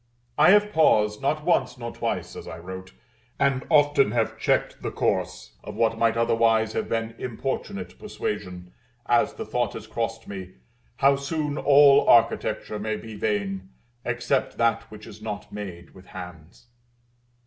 I have paused, not once nor twice, as I wrote, and often have checked the course of what might otherwise have been importunate persuasion, as the thought has crossed me, how soon all Architecture may be vain, except that which is not made with hands.